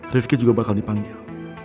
rifki juga bakal dipanggil